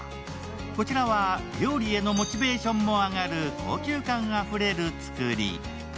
こちらは料理へのモチベーションも上がる高級感あふれる作り。